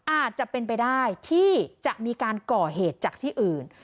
อาจจะเป็นไปได้ที่จะมีการก่อเหตุจากที่อื่น